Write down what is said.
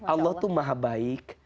allah tuh maha baik